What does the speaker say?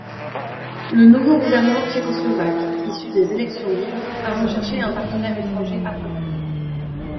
Le nouveau gouvernement tchécoslovaque, issu des élections libres, a recherché un partenaire étranger approprié.